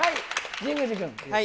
神宮寺君。